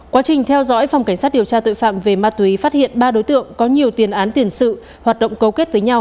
quá trình theo dõi phòng cảnh sát điều tra tội phạm về ma túy phát hiện ba đối tượng có nhiều tiền án tiền sự hoạt động cấu kết với nhau để mua bán ma túy